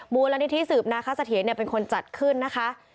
มูลนิธิสืบนาคสะเทียนเป็นคนจัดขึ้นนะคะ